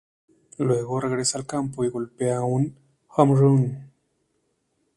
Luego, regresa al campo y golpea un home run.